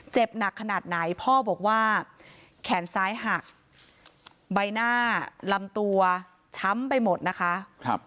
หนักขนาดไหนพ่อบอกว่าแขนซ้ายหักใบหน้าลำตัวช้ำไปหมดนะคะ